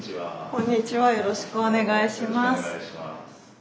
こんにちはよろしくお願いします。